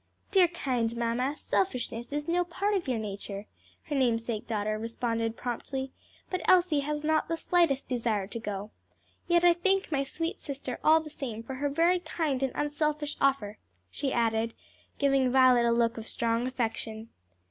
"Dear, kind mamma, selfishness is no part of your nature," her namesake daughter responded promptly, "but Elsie has not the slightest desire to go. Yet I thank my sweet sister all the same for her very kind and unselfish offer," she added, giving Violet a look of strong affection.